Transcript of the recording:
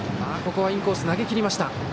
ここはインコース投げきりました。